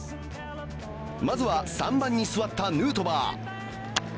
まずは３番に座ったヌートバー。